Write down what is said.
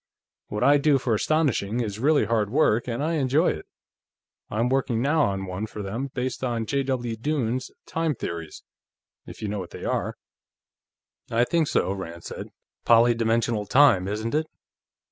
What I do for Astonishing is really hard work, and I enjoy it. I'm working now on one for them, based on J. W. Dunne's time theories, if you know what they are." "I think so," Rand said. "Polydimensional time, isn't it?